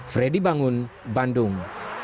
freddy bangun bandung